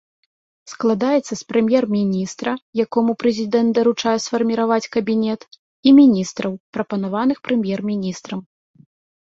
Складаецца з прэм'ер-міністра, якому прэзідэнт даручае сфарміраваць кабінет, і міністраў, прапанаваных прэм'ер-міністрам.